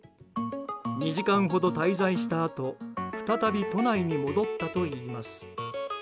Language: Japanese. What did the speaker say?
２時間ほど滞在したあと再び都内に戻ったといいます。